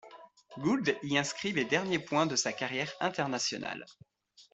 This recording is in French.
Gould y inscrit les derniers points de sa carrière internationale.